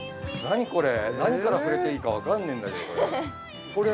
何から触れていいかわかんねえんだけどこれ。